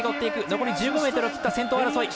残り１５ｍを切った先頭争い。